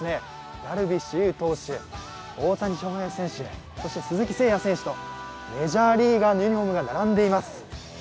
ダルビッシュ有投手大谷翔平選手、そして鈴木誠也選手とメジャーリーガーのユニフォームが並んでいます。